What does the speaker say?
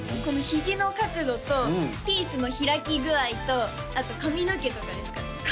このひじの角度とピースの開き具合とあと髪の毛とかですかね